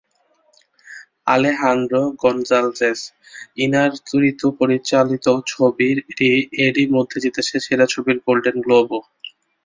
Alejandro Gonzalez Inarritu পরিচালিত ছবিটি এরই মধ্যে জিতেছে সেরা ছবির গোল্ডেন গ্লোবও।